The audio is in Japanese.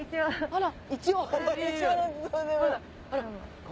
あら！